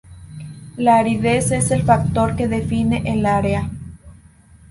La aridez es el factor que define el área.